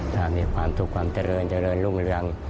ถ้ามีความสุขความเจริญเจริญรุ่งเรือง